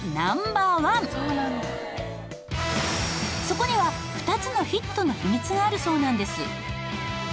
そこには２つのヒットの秘密があるそうなんです。